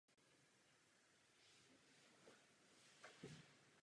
Rozmezí let pravidelného provozu.